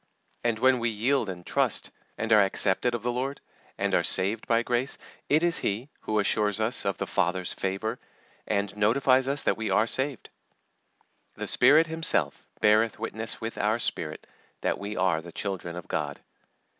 And when we yield and trust, and are accepted of the Lord, and are saved by grace, it is He who assures us of the Father's favour, and notifies us that we are saved. "The Spirit Himself beareth witness with our spirit that we are the children of God."